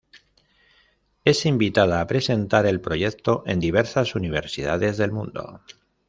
Es invitada a presentar el proyecto en diversas universidades del mundo.